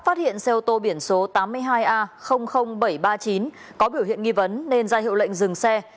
phát hiện xe ô tô biển số tám mươi hai a bảy trăm ba mươi chín có biểu hiện nghi vấn nên ra hiệu lệnh dừng xe